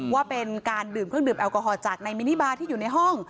ว่าเป็นการดื่มเครื่องดื่มแอลกอฮอลจากนายมินิบาที่อยู่ในห้อง